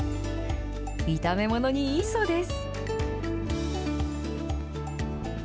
炒め物にいいそうです。